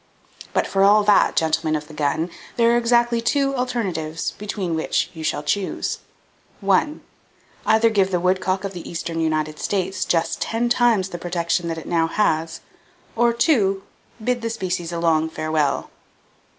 But for all that, gentlemen of the gun, there are exactly two alternatives between which you shall choose: (1) Either give the woodcock of the eastern United States just ten times the protection that it now has, or (2) bid the species a long farewell.